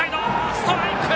ストライク！